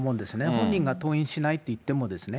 本人が登院しないっていってもですね、